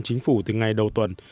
chính phủ từ ngày đầu tuần